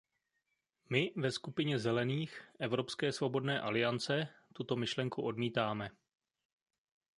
My ve skupině Zelených/Evropské svobodné alliance tuto myšlenku odmítáme.